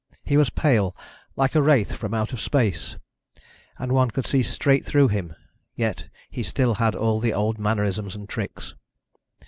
He was pale, like a wraith from out of space, and one could see straight through him, yet he still had all the old mannerisms and tricks.